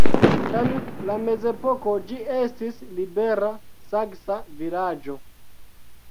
En la mezepoko ĝi estis "libera saksa vilaĝo".